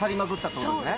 そうですね。